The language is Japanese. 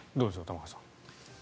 玉川さん。